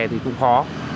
thì cũng khó